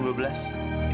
di taman melati inget